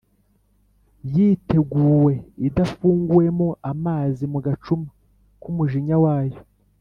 yiteguwe idafunguwemo amazi mugacuma k‟umujinya wayo.